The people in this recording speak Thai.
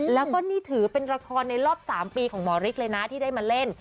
แล้วก็นี่ถือเป็นละครในรอบ๓ปีของหมอฤทธิ์เลยนะที่ได้มาเล่น